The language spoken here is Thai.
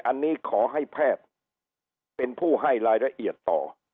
อันนี้ขอให้แพทย์เป็นผู้ให้รายละเอียดต่อ